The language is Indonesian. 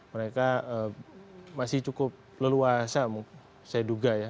mereka masih cukup leluasa saya duga ya